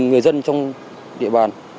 người dân trong địa bàn